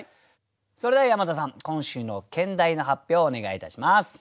それでは山田さん今週の兼題の発表お願いいたします。